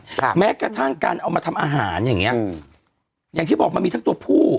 ครับแม้กระทั่งการเอามาทำอาหารอย่างเงี้อืมอย่างที่บอกมันมีทั้งตัวผู้